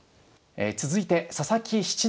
続いて佐々木七段。